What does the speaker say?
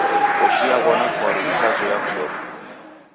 Koshi yaw'ona kwaru ikazoya kudoka.